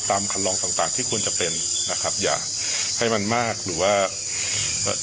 คันลองต่างต่างที่ควรจะเป็นนะครับอย่าให้มันมากหรือว่าเอ่อ